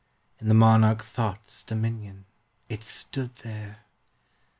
In the monarch Thought's dominion It stood there!